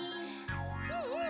うんうん！